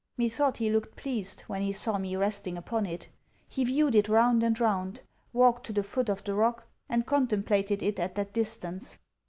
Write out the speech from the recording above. Methought he looked pleased, when he saw me resting upon it. He viewed it round and round, walked to the foot of the rock, and contemplated it at that distance.